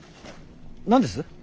何です？